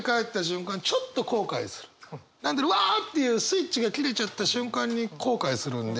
うわっていうスイッチが切れちゃった瞬間に後悔するんで。